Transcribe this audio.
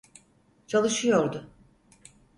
Çalışıyordu.